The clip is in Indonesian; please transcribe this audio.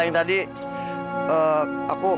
carinya di mana dong